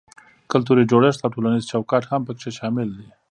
کلتوري جوړښت او ټولنیز چوکاټ هم پکې شامل دي.